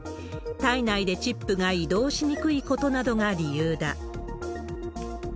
体内でチップが移動しにくいことなどが理由だ。